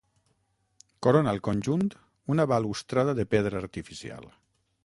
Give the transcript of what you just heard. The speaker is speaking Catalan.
Corona el conjunt una balustrada de pedra artificial.